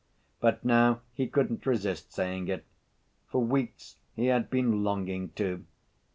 But now he couldn't resist saying it. For weeks he had been longing to.